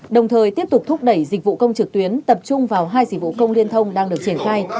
đồng thời tiếp tục thúc đẩy dịch vụ công trực tuyến tập trung vào hai dịch vụ công liên thông đang được triển khai